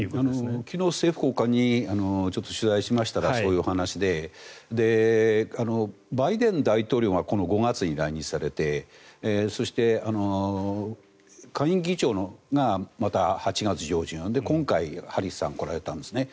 昨日、政府高官にちょっと取材しましたらそういうお話でバイデン大統領がこの５月に来日されてそして、下院議長がまた８月上旬で、今回、ハリスさんが来られたんですね。